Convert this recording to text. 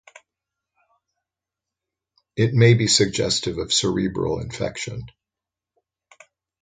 It may be suggestive of cerebral infection.